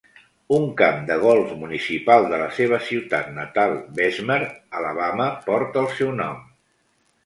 Un camp de golf municipal de la seva ciutat natal, Bessemer, Alabama, porta el seu nom.